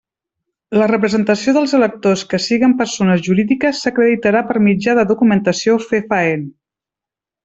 La representació dels electors que siguen persones jurídiques s'acreditarà per mitjà de documentació fefaent.